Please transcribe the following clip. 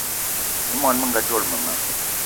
I món menga dzolo mema